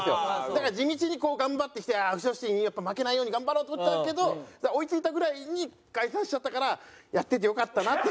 だから地道にこう頑張ってきてうしろシティに負けないように頑張ろうと思ったけど追い付いたぐらいに解散しちゃったからやっててよかったなって。